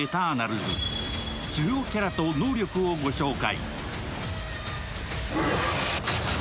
主要キャラと能力をご紹介。